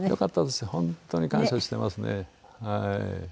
本当に感謝してますねはい。